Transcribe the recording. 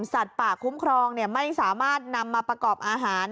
สัตว์ป่าคุ้มครองไม่สามารถนำมาประกอบอาหาร